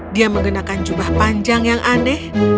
dia mengenakan jubah panjang yang aneh